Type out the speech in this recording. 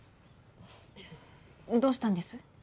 どうしたんです？